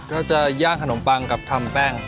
จะย่างขนมปังกับทำแป้ง